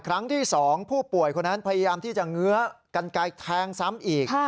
ครั้งที่๒ผู้ป่วยคนนั้นพยายามที่จะเงื้อกันไกลแทงซ้ำอีก